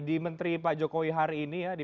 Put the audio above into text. di menteri pak jokowi hari ini ya